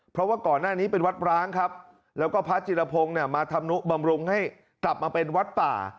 เพราะว่าก่อนหน้านี้เป็นวัดร้างครับแล้วก็พระจิรพงศ์เนี่ยมาทำนุบำรุงให้กลับมาเป็นวัดป่า